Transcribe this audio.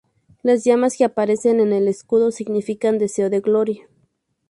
Las llamas que aparecen en el escudo significan deseo de gloria.